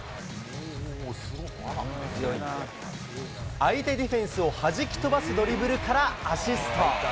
相手ディフェンスをはじき飛ばすドリブルからアシスト。